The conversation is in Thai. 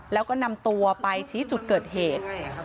แล้วก็นำตัวไปชี้จุดเกิดเหตุ